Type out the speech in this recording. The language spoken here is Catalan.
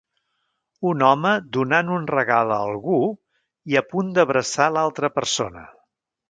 Un home donant un regal a algú i a punt d'abraçar l'altra persona.